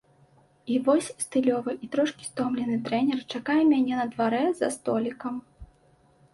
І вось стылёвы і трошкі стомлены трэнер чакае мяне на дварэ за столікам.